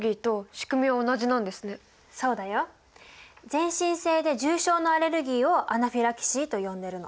全身性で重症のアレルギーをアナフィラキシーと呼んでるの。